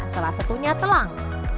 salah satunya telang